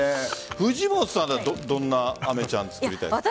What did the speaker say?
藤本さんはどんな飴ちゃん作りたいですか？